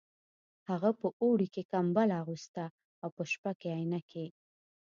هغه په اوړي کې کمبله اغوسته او په شپه کې عینکې